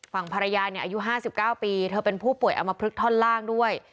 ฝั่งภรรยาอายุ๕๙ปีเธอเป็นผู้ป่วยอมพลึกท่อนล่างด้วย